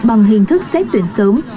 bằng hình thức xét tuyển sớm